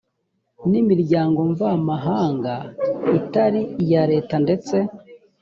n imiryango mvamahanga itari iya leta ndetse